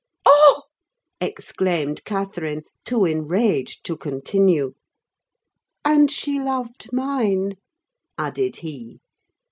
"Oh!" exclaimed Catherine, too enraged to continue. "And she loved mine," added he.